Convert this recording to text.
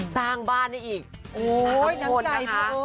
สร้างบ้านนี้อีก๓คนนะคะ